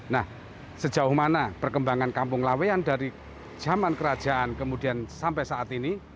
nah sejauh mana perkembangan kampung laweyan dari zaman kerajaan kemudian sampai saat ini